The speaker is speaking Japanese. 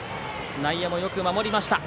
内野もよく守りました。